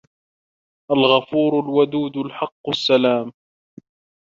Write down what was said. الغفور، الودود، الحق، السلام،